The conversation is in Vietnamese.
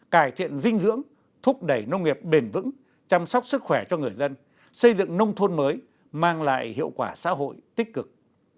cải thiện dinh dưỡng thúc đẩy nông nghiệp bền vững chăm sóc sức khỏe cho người dân xây dựng nông thôn mới mang lại hiệu quả xã hội tích cực